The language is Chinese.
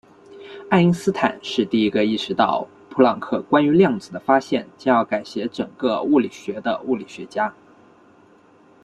爱因斯坦是第一个意识到普朗克关于量子的发现将要改写整个物理学的物理学家。